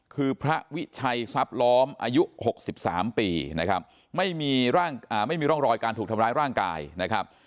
คือพระวิชัยทรัพย์ล้อมอายุหกสิบสามปีนะครับไม่มีร่างอ่าไม่มีร่องรอยการถูกทำร้ายร่างกายนะครับ